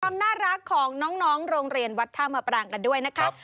ความน่ารักของน้องโรงเรียนวัดท่ามปรางกันด้วยนะคะ